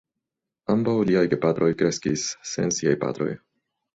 Ambaŭ liaj gepatroj kreskis sen siaj patroj.